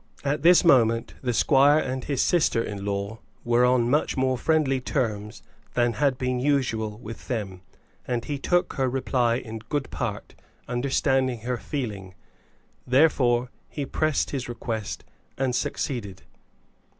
At this moment the squire and his sister in law were on much more friendly terms than had been usual with them, and he took her reply in good part, understanding her feeling. Therefore, he pressed his request, and succeeded.